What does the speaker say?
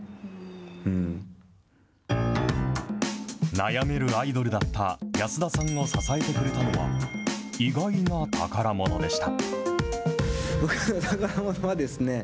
悩めるアイドルだった安田さんを支えてくれたのは、意外な宝ものでした。